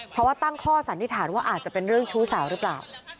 เพราะว่าตั้งข้อสันนิษฐานว่าอาจจะเป็นเรื่องชู้สาวหรือเปล่า